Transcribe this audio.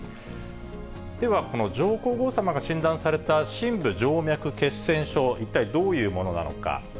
ではこの上皇后さまが診断された、深部静脈血栓症、一体どういうものなのか。